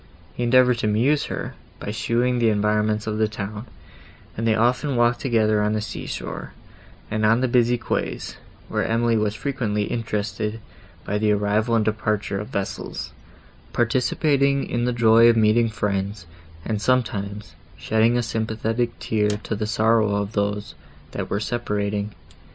He endeavoured to amuse her by showing the environs of the town, and they often walked together on the sea shore, and on the busy quays, where Emily was frequently interested by the arrival and departure of vessels, participating in the joy of meeting friends, and, sometimes, shedding a sympathetic tear to the sorrow of those, that were separating.